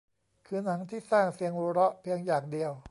คือหนังที่สร้างเสียงหัวเราะเพียงอย่างเดียว